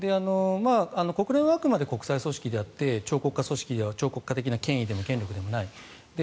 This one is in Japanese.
国連はあくまで国際組織であって超国家的な権威でも権力でもない。